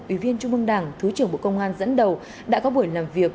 ủy viên trung mương đảng thứ trưởng bộ công an dẫn đầu đã có buổi làm việc